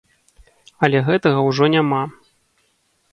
Але гэтага ўжо няма.